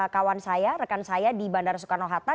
kawan saya rekan saya di bandara soekarno hatta